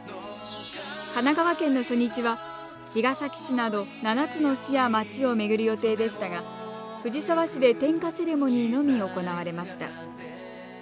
神奈川県の初日は茅ヶ崎市など７つの市や町を巡る予定でしたが藤沢市で点火セレモニーのみ行われました。